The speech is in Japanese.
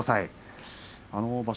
場所